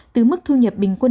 từ mức thu nhập bình quân